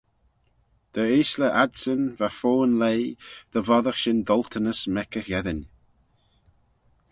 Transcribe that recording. Dy eaysley adsyn va fo'n leigh, dy voddagh shin doltanys mec y gheddyn.